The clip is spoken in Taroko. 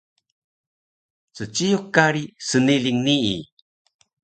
Cciyuk kari sniling nii